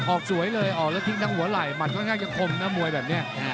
ออกสวยเลยออกแล้วทิ้งทั้งหัวไหล่หมัดค่อนข้างจะคมนะมวยแบบนี้